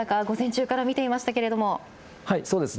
午前中から見ていましたけども。